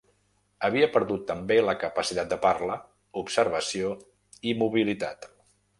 Havia perdut també la capacitat de parla, observació i mobilitat.